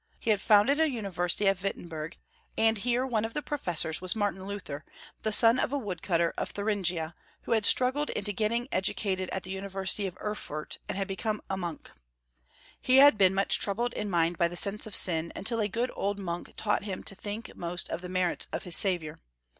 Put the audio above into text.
He had founded a university at Wittenberg, and here one of the professors was Martin Luther, the son of a woodcutter of Thurm gia, who had struggled into getting educated at the University of Erfurt, and had become a monk. He 268 Young Folks* History of Germany. had been much troubled in mind by the sense of sin, until a good old monk taught him to thhik most of the Merits of his Saviour.